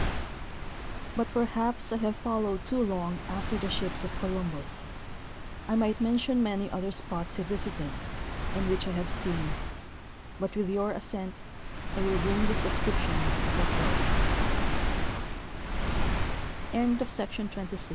But perhaps I have followed too long after the ships of Colum bus. I might mention many other spots he visited, and which I have seen ; but with you assent I will bring this description to a clos